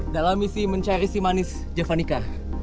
dalam misi mencari si manis jevanica